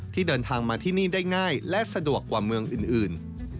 เดินทางมาที่นี่ได้ง่ายและสะดวกกว่าเมืองอื่น